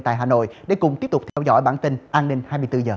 tại hà nội để cùng tiếp tục theo dõi bản tin an ninh hai mươi bốn h